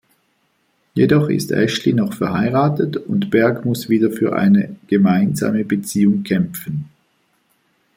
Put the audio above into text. Jedoch ist Ashley noch verheiratet und Berg muss wieder für eine gemeinsame Beziehung kämpfen.